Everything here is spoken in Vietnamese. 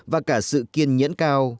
và cả sự kiên nhẫn cao